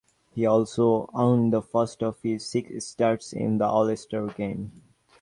He also earned the first of his six starts in the All-Star Game.